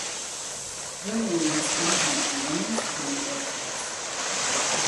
Gildernew has campaigned on women's and mothers' rights.